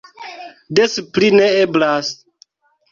Des pli ne eblas!